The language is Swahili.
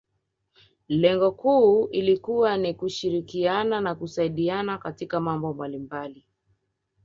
Lengo kuu ilikuwa ni kushirikiana na kusaidiana katika mambo mbalimbali